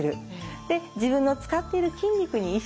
で自分の使っている筋肉に意識を向ける。